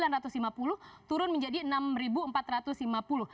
rp enam ratus lima puluh turun menjadi rp enam empat ratus lima puluh